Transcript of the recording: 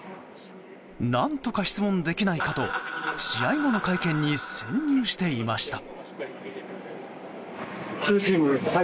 何とか質問できないかと試合後の会見に潜入していました。